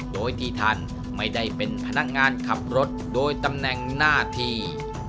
โดยที่ท่านไม่ได้เป็นพนักงานขับรถโดยตำแหน่งหน้าที่